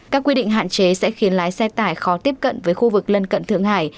các quy định hạn chế sẽ khiến lái xe tải khó tiếp cận với khu vực lân cận thượng hải